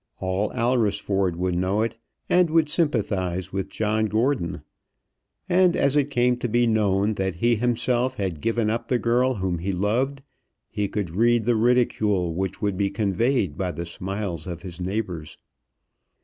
All Alresford would know it, and would sympathise with John Gordon. And as it came to be known that he himself had given up the girl whom he loved, he could read the ridicule which would be conveyed by the smiles of his neighbours.